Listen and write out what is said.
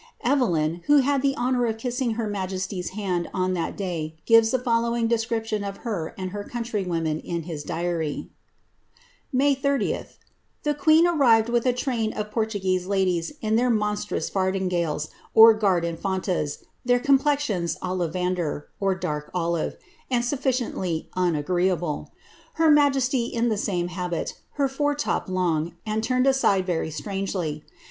Evelyn, who had the honour of kissing her majesty's id that day, gives the following description of her and her country men in his Diary :—^ May 30th, The queen arrived with a train of rtngaeae ladies in their monstrous &rdingals, or guard infantas, their nplexions olivader (dark olive), and sufficiently unagretahU, Her jesty iu the same habit, her foretop long, and turned aside very ingely.